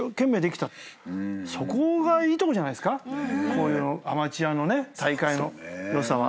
こういうアマチュアの大会の良さは。